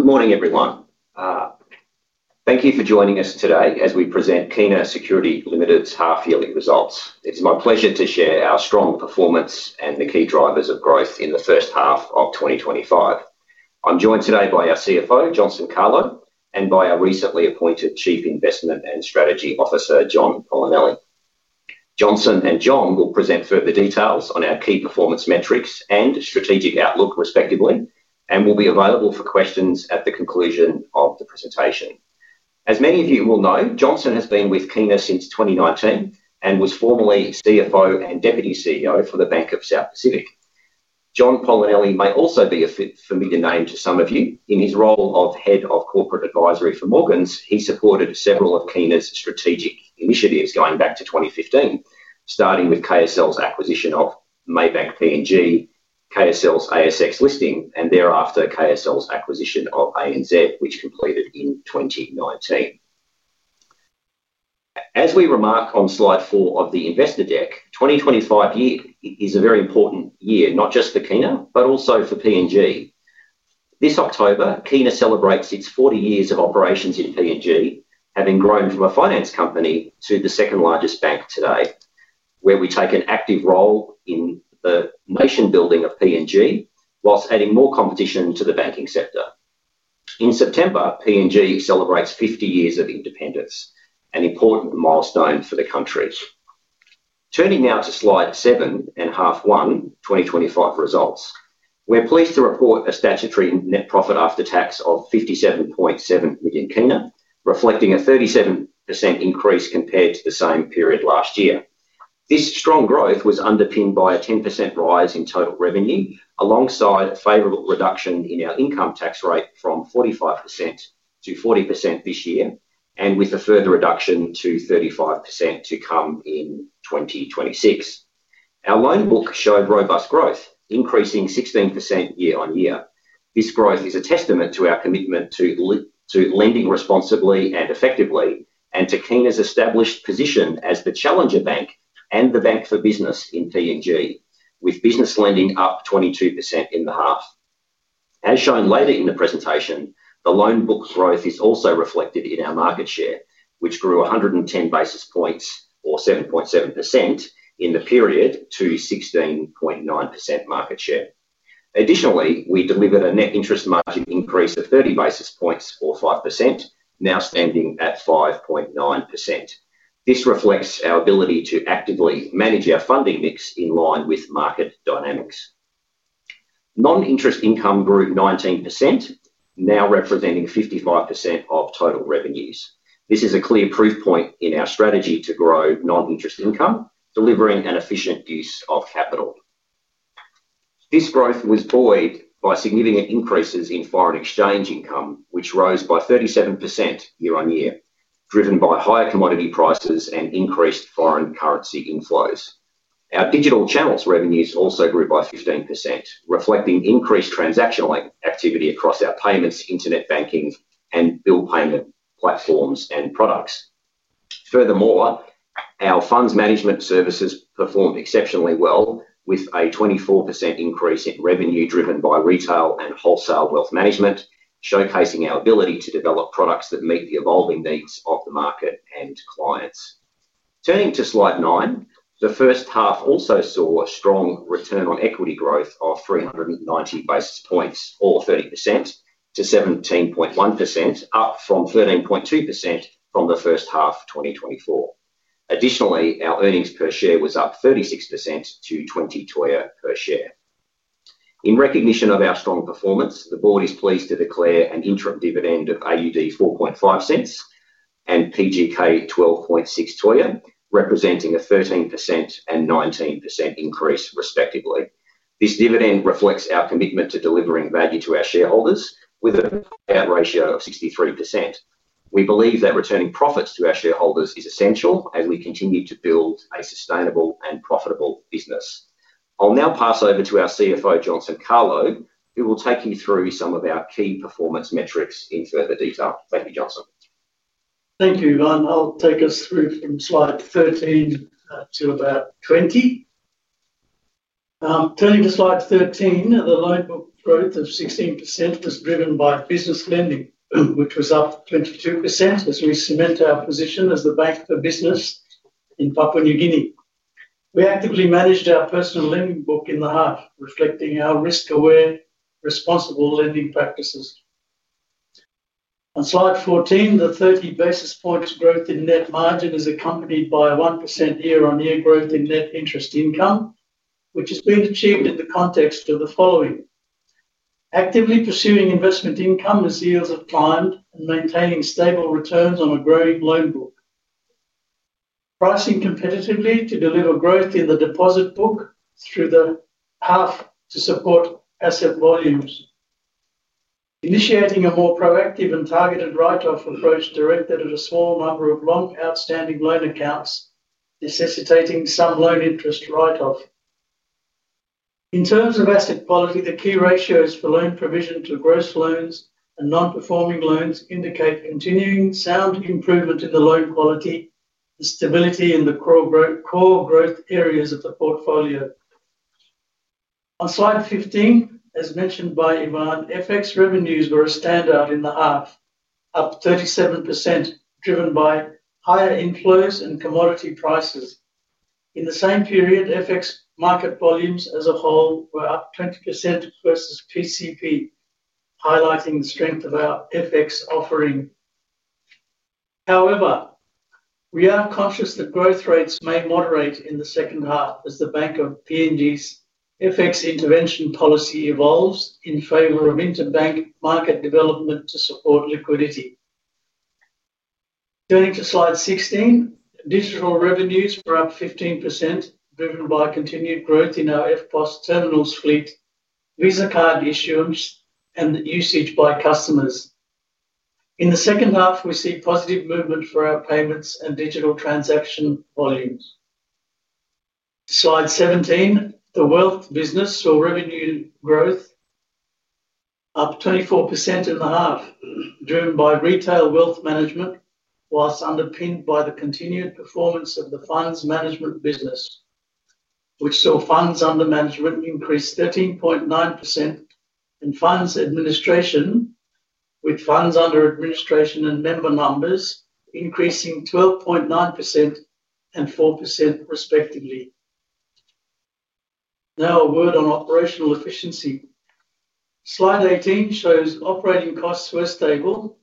Good morning, everyone. Thank you for joining us today as we present Kina Securities Ltd Half-Yearly results. It's my pleasure to share our strong performance and the key drivers of growth in the first half of 2025. I'm joined today by our CFO, Johnson Kalo, and by our recently appointed Chief Investment and Strategy Officer, John Polinelli. Johnson and John will present further details on our key performance metrics and strategic outlook, respectively, and will be available for questions at the conclusion of the presentation. As many of you will know, Johnson has been with Kina since 2019 and was formerly CFO and Deputy CEO for the Bank of South Pacific. John Polinelli may also be a familiar name to some of you. In his role of Head of Corporate Advisory for Morgans Financial Limited, he supported several of Kina's strategic initiatives going back to 2015, starting with KSL acquisition of Maybank PNG, KSL ASX listing, and thereafter KSL acquisition of ANZ, which completed in 2019. As we remark on slide four of the investor deck, 2025 is a very important year, not just for Kina, but also for PNG. This October, Kina celebrates its 40 years of PNG, having grown from a finance company to the second largest bank today, where we take an active role in the PNG, whilst adding more competition to the banking sector. PNG celebrates 50 years of independence, an important milestone for the country. Turning now to slide seven and half one, 2025 results. We're pleased to report a statutory net profit after tax of PGK 57.7 million, reflecting a 37% increase compared to the same period last year. This strong growth was underpinned by a 10% rise in total revenue, alongside a favorable reduction in our income tax rate from 45%-40% this year, and with a further reduction to 35% to come in 2026. Our loan book showed robust growth, increasing 16% year-on-year. This growth is a testament to our commitment to lending responsibly and effectively, and to Kina's established position as the challenger bank and the bank for PNG, with business lending up 22% in the half. As shown later in the presentation, the loan book growth is also reflected in our market share, which grew 110 basis points, or 7.7% in the period, to 16.9% market share. Additionally, we delivered a net interest margin increase of 30 basis points, or 5%, now standing at 5.9%. This reflects our ability to actively manage our funding mix in line with market dynamics. Non-interest income grew 19%, now representing 55% of total revenues. This is a clear proof point in our strategy to grow non-interest income, delivering an efficient use of capital. This growth was buoyed by significant increases in foreign exchange income, which rose by 37% year-on-year, driven by higher commodity prices and increased foreign currency inflows. Our digital channel revenues also grew by 15%, reflecting increased transactional activity across our payments, internet banking, and bill payment platforms and products. Furthermore, our funds management services performed exceptionally well, with a 24% increase in revenue driven by retail and wholesale wealth management, showcasing our ability to develop products that meet the evolving needs of the market and clients. Turning to slide nine, the first half also saw a strong return on equity growth of 390 basis points, or 30%, to 17.1%, up from 13.2% from the first half of 2024. Additionally, our earnings per share was up 36% to 20 TOYA per share. In recognition of our strong performance, the board is pleased to declare an interim dividend of A$0.045 and PGK 12.6 TOYA, representing a 13% and 19% increase, respectively. This dividend reflects our commitment to delivering value to our shareholders with a payout ratio of 63%. We believe that returning profits to our shareholders is essential as we continue to build a sustainable and profitable business. I'll now pass over to our CFO, Johnson Kalo, who will take you through some of our key performance metrics in further detail. Thank you, Johnson. Thank you, Ivan. I'll take us through from slide 13 to about 20. Turning to slide 13, the loan book growth of 16% was driven by business lending, which was up 22%, which cemented our position as the bank for business in PNG. We actively managed our personal lending book in the half, reflecting our risk-aware, responsible lending practices. On slide 14, the 30 basis points growth in net margin is accompanied by 1% year-on-year growth in net interest income, which has been achieved in the context of the following: actively pursuing investment income as yields are prime and maintaining stable returns on a growing loan book, pricing competitively to deliver growth in the deposit book through the half to support asset volumes, initiating a more proactive and targeted write-off approach to rent that in a small number of long outstanding loan accounts, necessitating some loan interest write-off. In terms of asset quality, the key ratios for loan provision to gross loans and non-performing loans indicate continuing sound improvement in the loan quality and stability in the core growth areas of the portfolio. On slide 15, as mentioned by Ivan, FX revenues were a standout in the half, up 37%, driven by higher inflows and commodity prices. In the same period, FX market volumes as a whole were up 20% versus PCP, highlighting the strength of our FX offering. However, we are conscious that growth rates may moderate in the second half as the PNG's fx intervention policy evolves in favor of interbank market development to support liquidity. Turning to slide 16, digital revenues were up 15%, driven by continued growth in our FPOS terminal split, Visa card issuance, and usage by customers. In the second half, we see positive movement for our payments and digital transaction volumes. Slide 17, the wealth business or revenue growth, up 24% in the half, driven by retail wealth management, whilst underpinned by the continued performance of the funds management business, which saw funds under management increase 13.9% and funds administration with funds under administration and NEPA members, increasing 12.9% and 4% respectively. Now, a word on operational efficiency. Slide 18 shows operating costs were stable,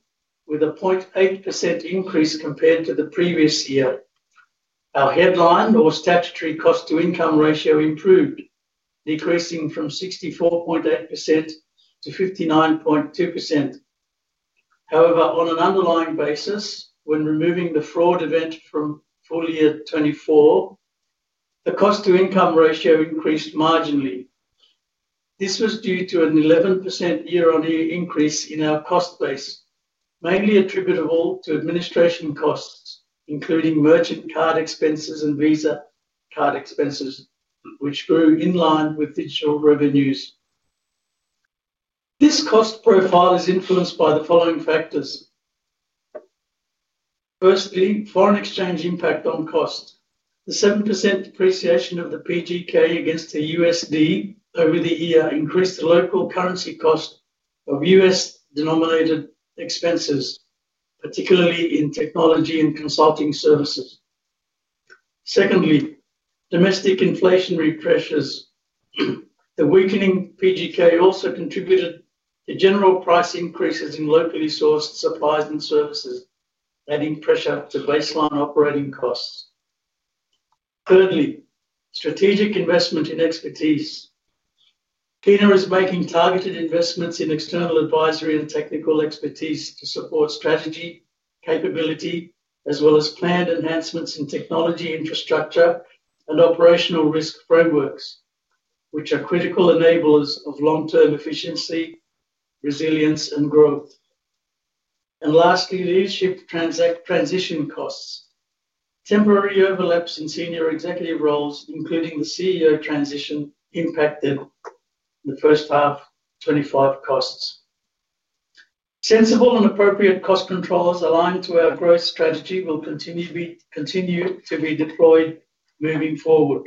with a 0.8% increase compared to the previous year. Our headline, or statutory cost-to-income ratio, improved, decreasing from 64.8% to 59.2%. However, on an underlying basis, when removing the fraud event from full year 2024, the cost-to-income ratio increased marginally. This was due to an 11% year-on-year increase in our cost base, mainly attributable to administration costs, including merchant card expenses and Visa card expenses, which grew in line with digital revenues. This cost profile is influenced by the following factors. Firstly, foreign exchange impact on cost. The 7% depreciation of the PGK against the USD over the year increased local currency cost of US denominated expenses, particularly in technology and consulting services. Secondly, domestic inflationary pressures. The weakening PGK also contributed to general price increases in locally sourced supplies and services, adding pressure to baseline operating costs. Thirdly, strategic investment in expertise. Kina is making targeted investments in external advisory and technical expertise to support strategy, capability, as well as planned enhancements in technology infrastructure and operational risk frameworks, which are critical enablers of long-term efficiency, resilience, and growth. Lastly, leadership transition costs. Temporary overlaps in senior executive roles, including the CEO transition, impacted in the first half of 2025 costs. Sensible and appropriate cost controls aligned to our growth strategy will continue to be deployed moving forward.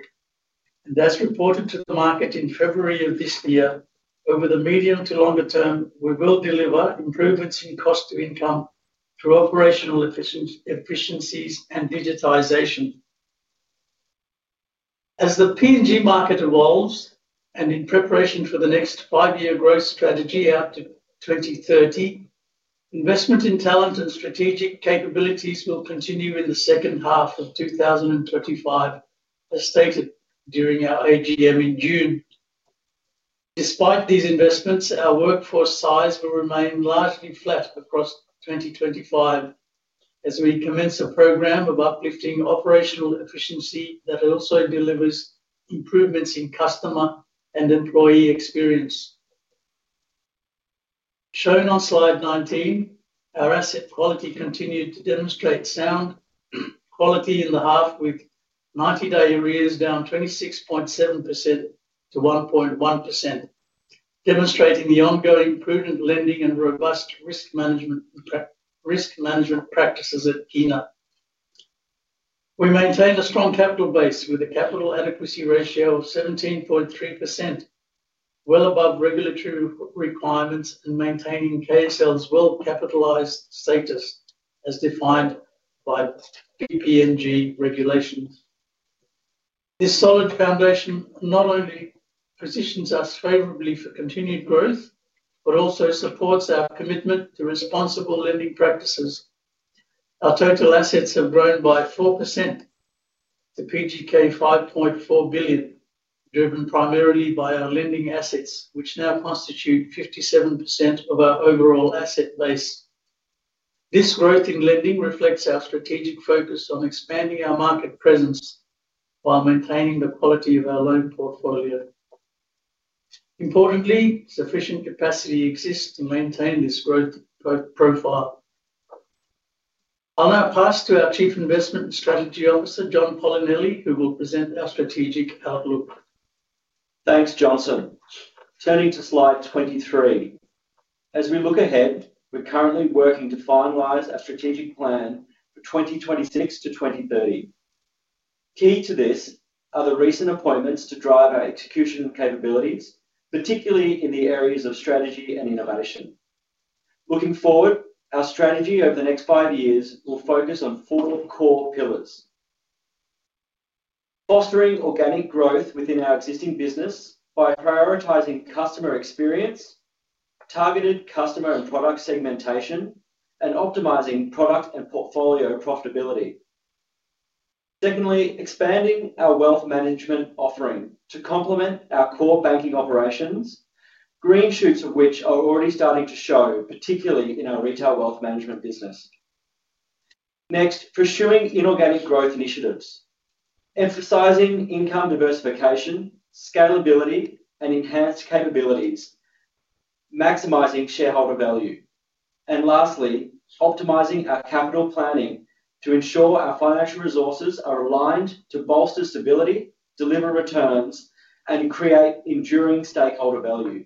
As reported to the market in February of this year, over the medium to longer term, we will deliver improvements in cost-to-income through operational efficiencies and digitization. PNG market evolves and in preparation for the next five-year growth strategy out to 2030, investment in talent and strategic capabilities will continue in the second half of 2025, as stated during our AGM in June. Despite these investments, our workforce size will remain largely flat across 2025 as we commence a program of uplifting operational efficiency that also delivers improvements in customer and employee experience. Shown on slide 19, our asset quality continued to demonstrate sound quality in the half, with market arrears down 26.7%-1.1%, demonstrating the ongoing prudent lending and robust risk management practices at Kina. We maintained a strong capital base with a capital adequacy ratio of 17.3%, well above regulatory requirements and maintaining KSL well-capitalized status as defined PNG regulations. This solid foundation not only positions us favorably for continued growth, but also supports our commitment to responsible lending practices. Our total assets have grown by 4% to PGK 5.4 billion, driven primarily by our lending assets, which now constitute 57% of our overall asset base. This growth in lending reflects our strategic focus on expanding our market presence while maintaining the quality of our loan portfolio. Importantly, sufficient capacity exists to maintain this growth profile. I'll now pass to our Chief Investment and Strategy Officer, John Polinelli, who will present our strategic outlook. Thanks, Johnson. Turning to slide 23. As we look ahead, we're currently working to finalize our strategic plan for 2026-2030. Key to this are the recent appointments to drive our execution capabilities, particularly in the areas of strategy and innovation. Looking forward, our strategy over the next five years will focus on four core pillars: fostering organic growth within our existing business by prioritizing customer experience, targeted customer and product segmentation, and optimizing product and portfolio profitability. Secondly, expanding our wealth management offering to complement our core banking operations, green shoots of which are already starting to show, particularly in our retail wealth management business. Next, pursuing inorganic growth initiatives, emphasizing income diversification, scalability, and enhanced capabilities, maximizing shareholder value. Lastly, optimizing our capital planning to ensure our financial resources are aligned to bolster stability, deliver returns, and create enduring stakeholder value.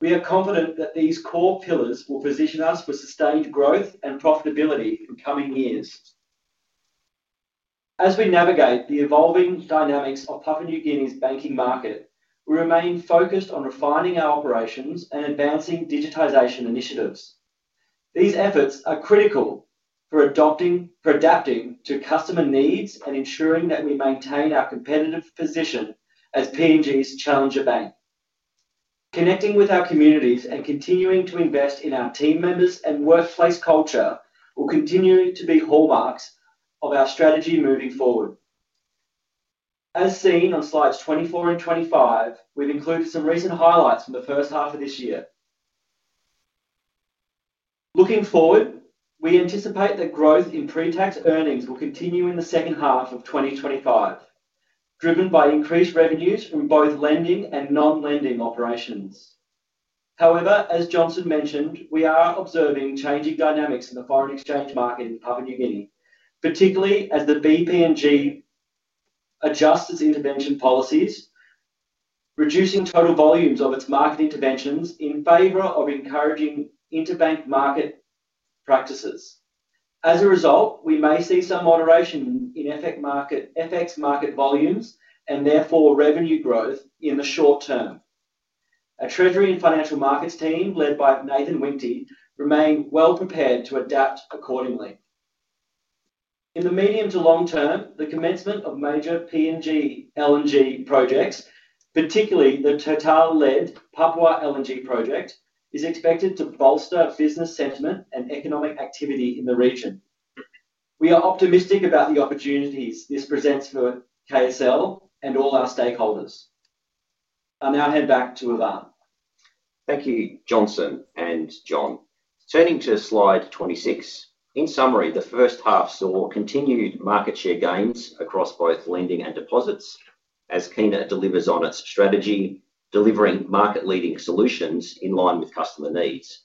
We are confident that these core pillars will position us for sustained growth and profitability in coming years. As we navigate the evolving dynamics of PNG's banking market, we remain focused on refining our operations and advancing digitization initiatives. These efforts are critical for adapting to customer needs and ensuring that we maintain our competitive position as PNG's challenger bank. Connecting with our communities and continuing to invest in our team members and workplace culture will continue to be hallmarks of our strategy moving forward. As seen on slides 24 and 25, we've included some recent highlights from the first half of this year. Looking forward, we anticipate that growth in pre-tax earnings will continue in the second half of 2025, driven by increased revenues in both lending and non-lending operations. However, as Johnson mentioned, we are observing changing dynamics in the foreign exchange market in PNG, particularly as the PNG adjusts its intervention policies, reducing total volumes of its market interventions in favor of encouraging interbank market practices. As a result, we may see some moderation in FX market volumes and therefore revenue growth in the short term. A Treasury and Financial Markets team led by Nathan Winti remain well prepared to adapt accordingly. In the medium to long term, the commencement of major PNG LNG projects, particularly the TotalEnergies Papua LNG project, is expected to bolster business sentiment and economic activity in the region. We are optimistic about the opportunities this presents for KSL and all our stakeholders. I'll now hand back to Ivan. Thank you, Johnson and John. Turning to slide 26. In summary, the first half saw continued market share gains across both lending and deposits, as Kina delivers on its strategy, delivering market-leading solutions in line with customer needs.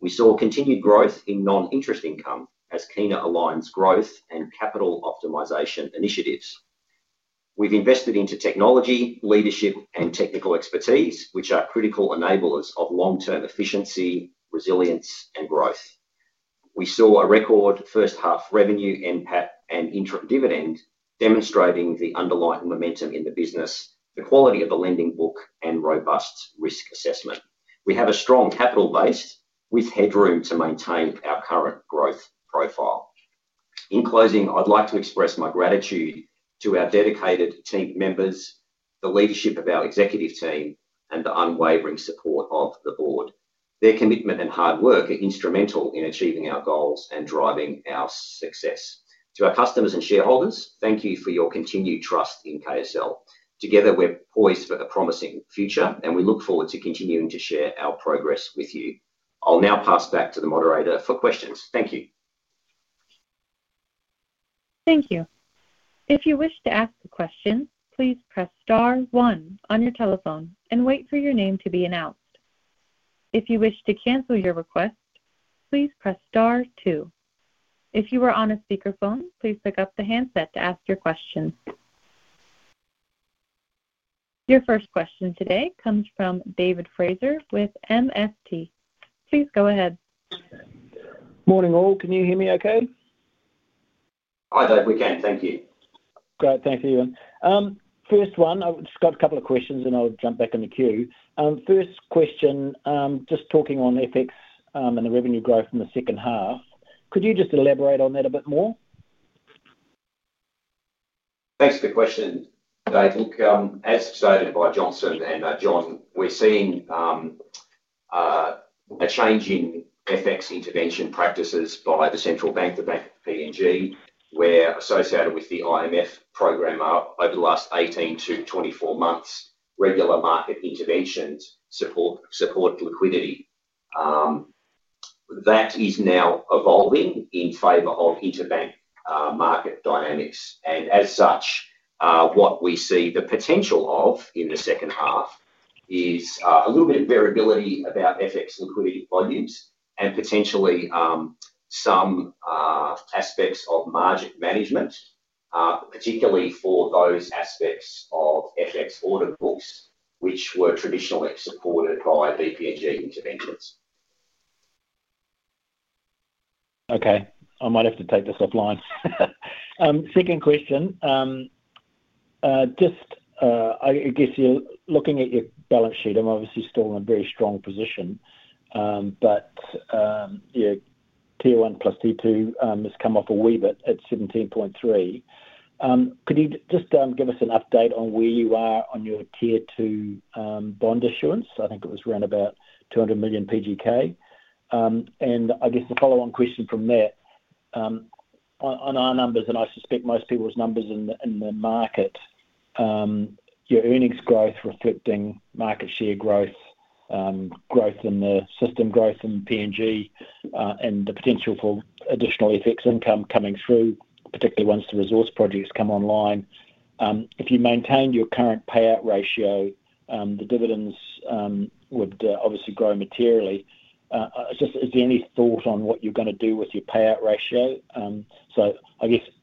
We saw continued growth in non-interest income as Kina aligns growth and capital optimization initiatives. We've invested into technology, leadership, and technical expertise, which are critical enablers of long-term efficiency, resilience, and growth. We saw a record first-half revenue impact and interim dividend, demonstrating the underlying momentum in the business, the quality of the loan book, and robust risk assessment. We have a strong capital base, with headroom to maintain our current growth profile. In closing, I'd like to express my gratitude to our dedicated team members, the leadership of our executive team, and the unwavering support of the board. Their commitment and hard work are instrumental in achieving our goals and driving our success. To our customers and shareholders, thank you for your continued trust in KSL. Together, we're poised for the promising future, and we look forward to continuing to share our progress with you. I'll now pass back to the moderator for questions. Thank you. Thank you. If you wish to ask a question, please press star one on your telephone and wait for your name to be announced. If you wish to cancel your request, please press star two. If you are on a speakerphone, please pick up the handset to ask your question. Your first question today comes from David Fraser with MST. Please go ahead. Morning all. Can you hear me okay? Hi David, we can. Thank you. Great, thanks Ivan. First one, I've just got a couple of questions and I'll jump back in the queue. First question, just talking on FX and the revenue growth in the second half. Could you just elaborate on that a bit more? Thanks for the question. I think as stated by Johnson and John, we're seeing a change in FX intervention practices by the central bank, the Bank of PNG, where associated with the IMF program over the last 18-24 months, regular market interventions support liquidity. That is now evolving in favor of interbank market dynamics. As such, what we see the potential of in the second half is a little bit of variability about FX liquidity volumes and potentially some aspects of margin management, particularly for those aspects of FX audit books which were traditionally supported by PNG interventions. Okay, I might have to take this offline. Second question, just I guess you're looking at your balance sheet. I'm obviously still in a very strong position, but your Tier 1+Tier 2 has come up a wee bit at 17.3%. Could you just give us an update on where you are on your Tier 2 bond issuance? I think it was around about PGK 200 million. I guess the follow-on question from that, on our numbers, and I suspect most people's numbers in the market, your earnings growth reflecting market share growth, growth in the system, growth in PNG, and the potential for additional FX income coming through, particularly once the resource projects come online. If you maintain your current payout ratio, the dividends would obviously grow materially. Is there any thought on what you're going to do with your payout ratio?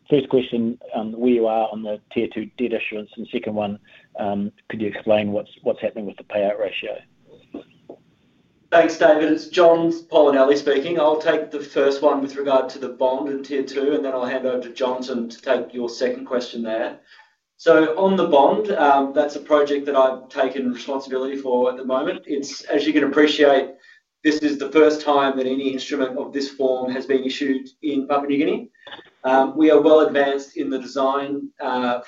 First question, where you are on the Tier 2 debt issuance, and second one, could you explain what's happening with the payout ratio? Thanks David. It's John Polinelli speaking. I'll take the first one with regard to the bond and Tier 2, and then I'll hand over to Johnson to take your second question there. On the bond, that's a project that I've taken responsibility for at the moment. As you can appreciate, this is the first time that any instrument of this form has been issued in PNG. We are well advanced in the design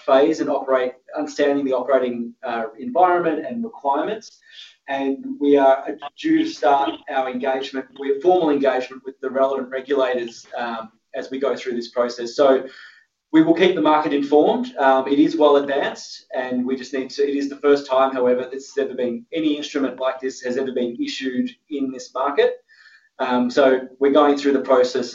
phase and understanding the operating environment and requirements, and we are due to start our engagement, we have formal engagement with the relevant regulators as we go through this process. We will keep the market informed, but it is well advanced, and it is the first time, however, that any instrument like this has ever been issued in this market. We are going through the process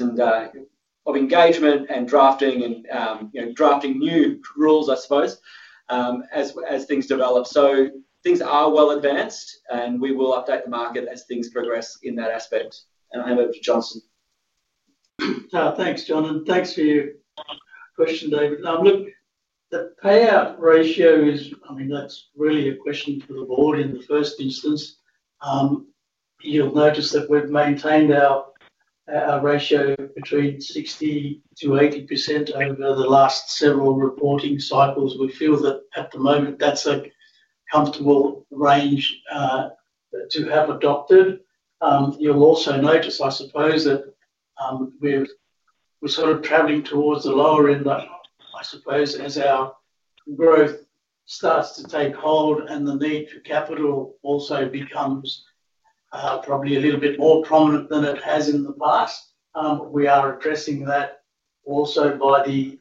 of engagement and drafting and drafting new rules, I suppose, as things develop. Things are well advanced, and we will update the market as things progress in that aspect. I hand it over to Johnson. Thanks John, and thanks for your question David. The payout ratio is, I mean, that's really a question for the board in the first instance. You'll notice that we've maintained our ratio between 60%-80% over the last several reporting cycles. We feel that at the moment that's a comfortable range to have adopted. You'll also notice, I suppose, that we're sort of traveling towards the lower end, I suppose, as our growth starts to take hold and the need for capital also becomes probably a little bit more prominent than it has in the past. We are addressing that also by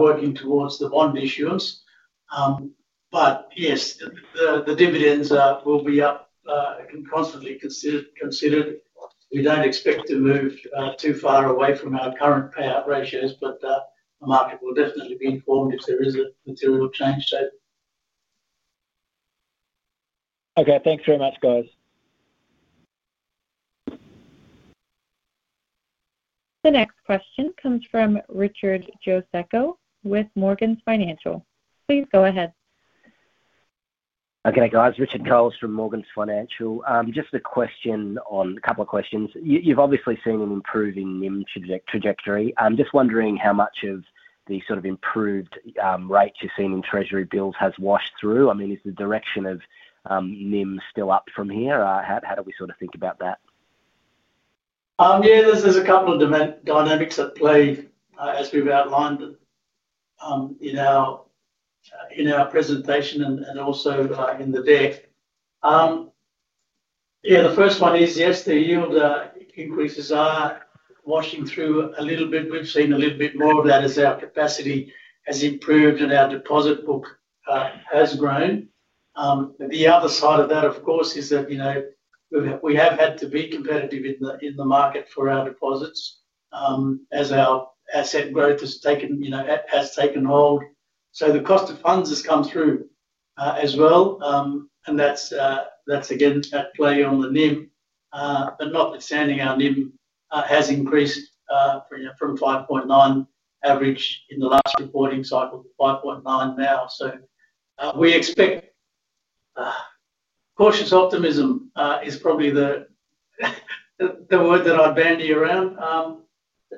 working towards the bond issuance. Yes, the dividends will be up constantly considered. We don't expect to move too far away from our current payout ratios, but the market will definitely be informed if there is a material change taken. Okay, thanks very much guys. The next question comes from Richard Coles with Morgans Financial. Please go ahead. Okay guys, Richard Coles from Morgans Financial Limited. Just a question on a couple of questions. You've obviously seen an improving NIM trajectory. I'm just wondering how much of the sort of improved rates you've seen in Treasury bills has washed through. I mean, is the direction of NIM still up from here? How do we sort of think about that? Yeah, there's a couple of dynamics at play as we've outlined in our presentation and also in the deck. The first one is yes, the yield increases are washing through a little bit. We've seen a little bit more of that as our capacity has improved and our deposit book has grown. The other side of that, of course, is that we have had to be competitive in the market for our deposits as our asset growth has taken hold. The cost of funds has come through as well. That's again at play on the NIM. Notwithstanding, our NIM has increased from 5.9 average in the last reporting cycle to 5.9 now. We expect cautious optimism is probably the word that I bandy around.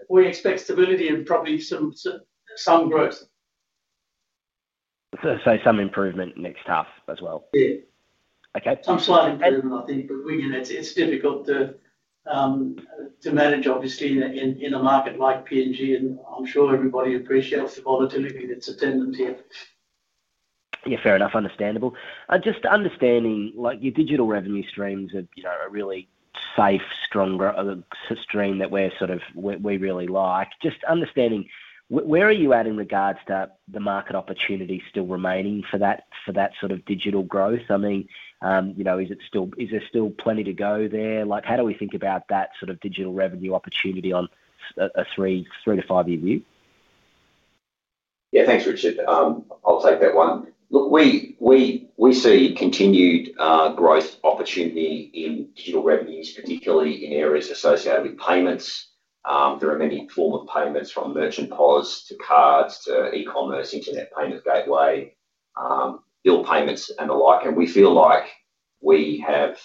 We expect stability and probably some growth. Some improvement next half as well? Yeah. Okay. Some slight improvement, I think, but we know it's difficult to manage, obviously, in a PNG, and I'm sure everybody appreciates the volatility that's attendant here. Yeah, fair enough, understandable. Just understanding like your digital revenue streams are really safe, strong stream that we're sort of, we really like. Just understanding where are you at in regards to the market opportunity still remaining for that sort of digital growth? I mean, you know, is it still, is there still plenty to go there? Like how do we think about that sort of digital revenue opportunity on a three to five year view? Yeah. Thanks, Richard. I'll take that one. Look, we see continued growth opportunity in digital revenues, particularly in areas associated with payments. There are many forms of payments from merchant POS to cards to e-commerce, internet payment gateway, bill payments and the like. We feel like we have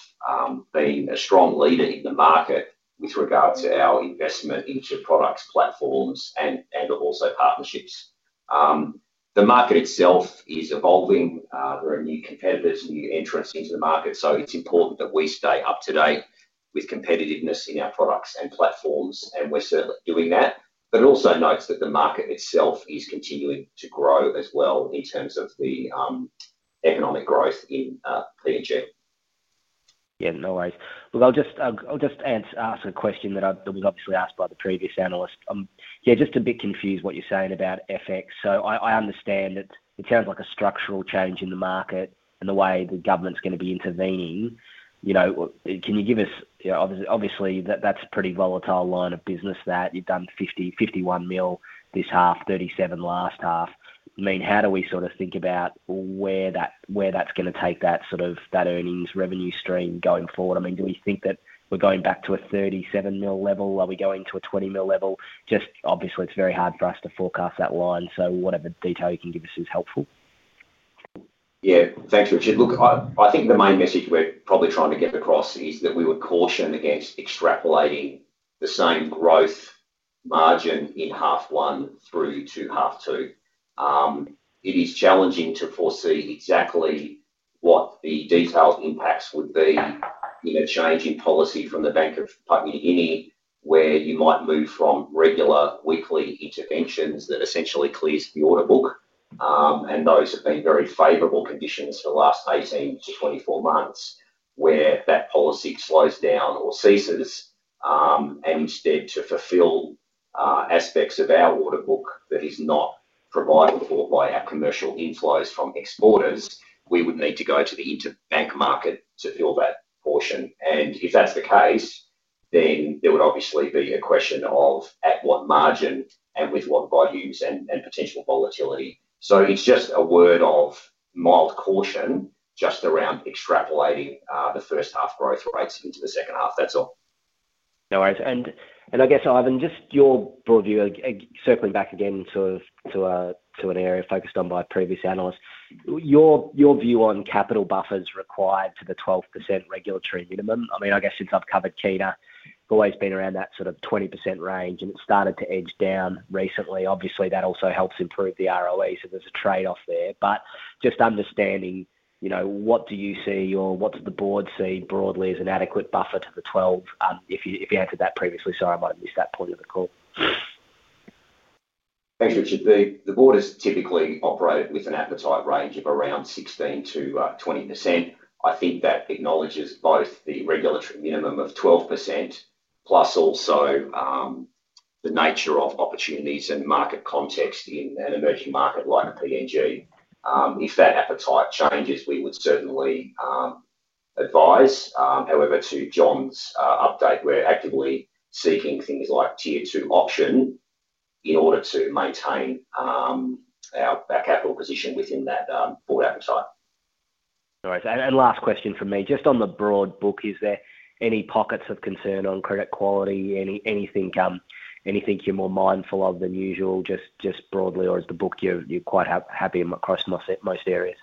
been a strong leader in the market with regard to our investment into products, platforms, and also partnerships. The market itself is evolving. There are new competitors, new entrants into the market. It is important that we stay up to date with competitiveness in our products and platforms, and we're certainly doing that. It also notes that the market itself is continuing to grow as well in terms of the economic growth in PNG. Yeah, no worries. I'll just answer the question that was obviously asked by the previous analyst. Yeah, just a bit confused what you're saying about FX. I understand that it sounds like a structural change in the market and the way the government's going to be intervening. Can you give us, you know, obviously that's a pretty volatile line of business that you've done $51 million this half, $37 million last half. I mean, how do we sort of think about where that's going to take that sort of that earnings revenue stream going forward? I mean, do we think that we're going back to a $37 million level? Are we going to a $20 million level? Obviously it's very hard for us to forecast that line. Whatever detail you can give us is helpful. Yeah, thanks Richard. I think the main message we're probably trying to get across is that we would caution against extrapolating the same growth margin in half one through to half two. It is challenging to foresee exactly what the detailed impacts would be with a change in policy from the Bank of PNG, where you might move from regular weekly interventions that essentially clears the order book. Those have been very favorable conditions for the last 18 to 24 months, where that policy slows down or ceases. Instead, to fulfill aspects of our order book that are not provided by our commercial inflows from exporters, we would need to go to the interbank market to fill that portion. If that's the case, there would obviously be a question of at what margin, with what volumes, and potential volatility. It's just a word of mild caution just around extrapolating the first half growth rates into the second half. That's all. No worries. I guess, Ivan, just your broad view, circling back again to an area focused on by a previous analyst, your view on capital buffers required to the 12% regulatory minimum. I mean, I guess since I've covered Kina, it's always been around that sort of 20% range, and it started to edge down recently. Obviously, that also helps improve the ROE, so there's a trade-off there. Just understanding, you know, what do you see or what does the board see broadly as an adequate buffer to the 12%? If you answered that previously, sorry, I might have missed that point of the call. Thanks, Richard. The board has typically operated with an advertised range of around 16% to 20%. I think that acknowledges both the regulatory minimum of 12%+ also the nature of opportunities and market context in an emerging market like PNG. If that appetite changes, we would certainly advise. However, to John's update, we're actively seeking things like Tier 2 option in order to maintain our backup position within that board oversight. No worries. Last question from me, just on the broad book, is there any pockets of concern on credit quality? Anything you're more mindful of than usual, just broadly, or is the book you're quite happy across most areas?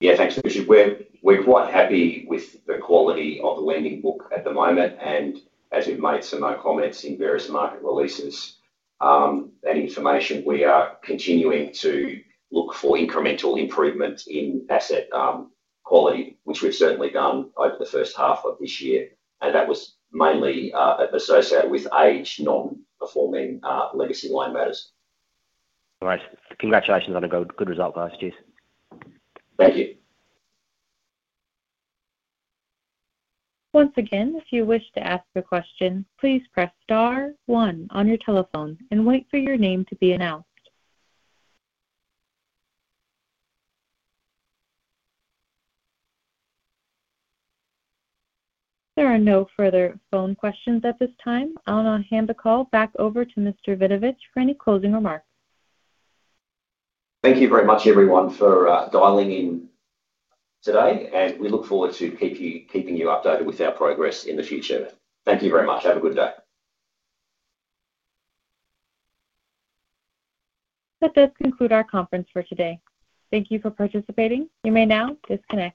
Yeah, thanks for the question. We're quite happy with the quality of the lending book at the moment, and as we've made some more comments in various market releases and information, we are continuing to look for incremental improvements in asset quality, which we've certainly done over the first half of this year. That was mainly associated with aged, non-performing legacy line matters. All right. Congratulations on a good result last year. Once again, if you wish to ask a question, please press star one on your telephone and wait for your name to be announced. There are no further phone questions at this time. I'll now hand the call back over to Mr. Vidovich for any closing remarks. Thank you very much, everyone, for dialing in today. We look forward to keeping you updated with our progress in the future. Thank you very much. Have a good day. That does conclude our conference for today. Thank you for participating. You may now disconnect.